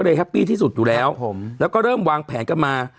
เลยฮะปี้ที่สุดอยู่แล้วครับผมแล้วก็เริ่มวางแผนกับ